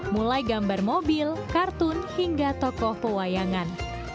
mulai gambar mobil kartun hingga tokoh pewayangan